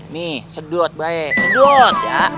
nih sedot baik sedot ya